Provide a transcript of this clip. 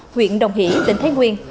huyện đồng hỷ tỉnh thái nguyên